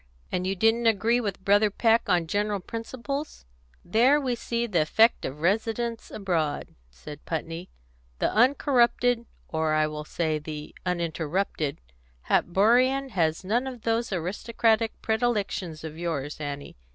"And you didn't agree with Brother Peck on general principles? There we see the effect of residence abroad," said Putney. "The uncorrupted or I will say the uninterrupted Hatborian has none of those aristocratic predilections of yours, Annie.